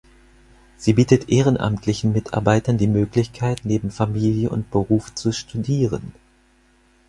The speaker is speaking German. Sie bietet ehrenamtlichen Mitarbeitern die Möglichkeit, neben Familie und Beruf zu studieren.